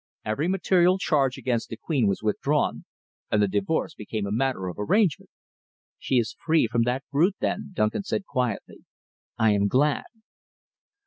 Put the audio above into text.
Every material charge against the Queen was withdrawn, and the divorce became a matter of arrangement." "She is free from that brute, then," Duncan said quietly. "I am glad."